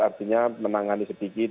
artinya menangani sedikit